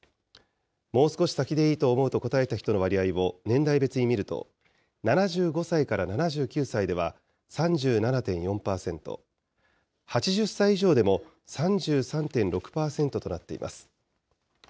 もう少し先でいいと思うと答えた人の割合を年代別に見ると、７５歳から７９歳では３７．４％、８０歳以上でも３３．６％となっています。